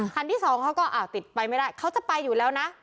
คันที่สองเขาก็ติดไปไม่ได้เขาจะไปอยู่แล้วนะ